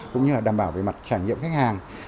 cũng như là đảm bảo về mặt trải nghiệm khách hàng